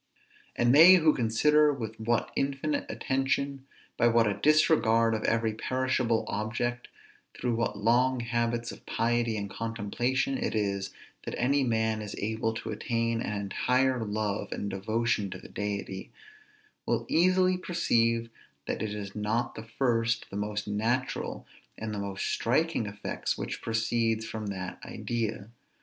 And they who consider with what infinite attention, by what a disregard of every perishable object, through what long habits of piety and contemplation it is that any man is able to attain an entire love and devotion to the Deity, will easily perceive that it is not the first, the most natural, and the most striking effect which proceeds from that idea.